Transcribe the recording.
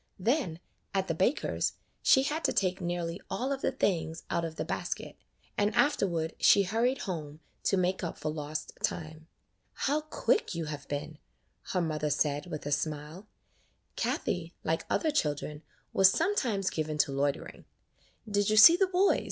Then at the baker's she had to take nearly all of the things out of the basket, and afterward she hurried home, to make up for lost time. "How quick you have been," her mother said, with a smile. Kathie, like other children was sometimes given to loitering. "Did you see the boys?"